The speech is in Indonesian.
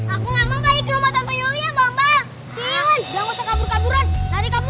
alhamdulillah akhirnya kita selamat kak